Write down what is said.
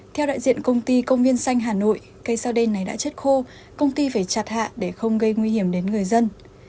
theo đại diện công ty công viên xanh hà nội cây sao đen này đã chết khô công ty phải chặt hạ để không gây nguy hiểm đến người dân